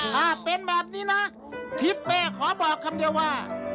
ถ้าเป็นแบบนี้นะทิศเป้ขอบอกคำเดียวว่า